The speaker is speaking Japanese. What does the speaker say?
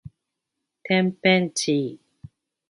てんぺんちい